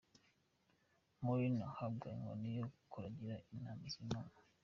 Murlyne ahabwa inkoni yo kuragira intama z'Imana .